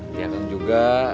dia kan juga